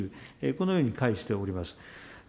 このようにかいしております。